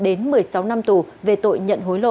nguyễn minh đức chín một mươi năm tù về tội nhận hối lộ